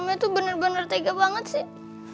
alma tuh bener bener tega banget sih